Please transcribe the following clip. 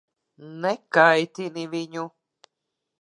Nekaitini viņu.